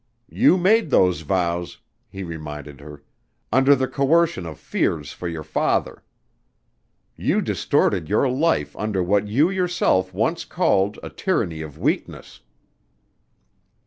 "You made those vows," he reminded her, "under the coercion of fears for your father. You distorted your life under what you yourself once called a tyranny of weakness."